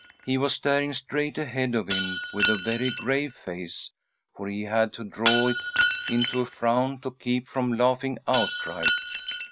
He was staring straight ahead of him with a very grave face, for he had to draw it into a frown to keep from laughing outright.